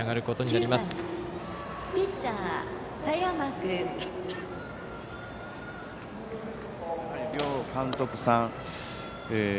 やはり両監督さん